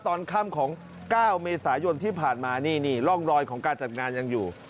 ตอนค่ำของ๙เมษายนที่ผ่านมานี่นี่ร่องรอยของการจัดงานยังอยู่